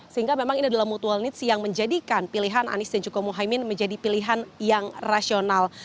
sehingga memang ini adalah mutual needs yang menjadikan pilihan anies dan juga mohaimin menjadi pilihan yang rasional